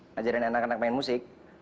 ngajarin anak anak main musik